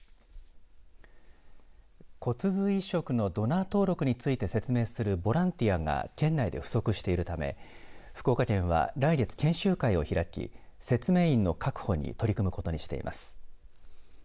骨髄移植のドナー登録について説明するボランティアが県内で不足しているため福岡県は来月、研修会を開き説明員の確保に取り組むことにしています。